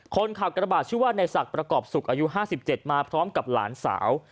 คนขับกระบะชื่อว่าในศักดิ์ประกอบศุกร์อายุห้าสิบเจ็ดมาพร้อมกับหลานสาว